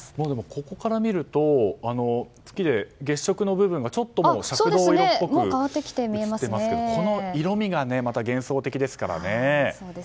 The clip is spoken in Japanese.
ここから見ると月食の部分がちょっと赤銅色っぽく映っていますがこの色味がまた幻想的ですからね。